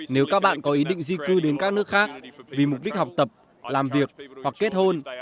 nếu các bạn có ý định di cư đến các nước khác vì mục đích học tập làm việc hoặc kết hôn